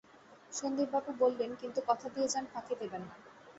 সন্দীপবাবু বললেন, কিন্তু কথা দিয়ে যান ফাঁকি দেবেন না।